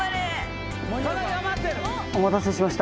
・お待たせしました。